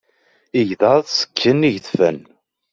Igḍaḍ ṣekken igedfen.